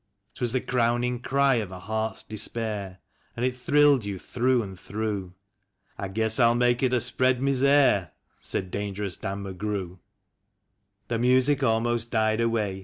'Twas the crowning cry of a heart's despair, and it thrilled you through and through —" I guess I'll make it a spread misere," said Dangerous Dan McGrew. The music almost died away